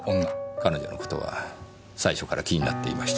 彼女の事は最初から気になっていました。